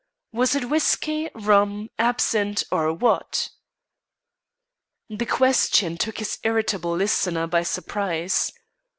Was it whiskey, rum, absinthe, or what?" The question took his irritable listener by surprise.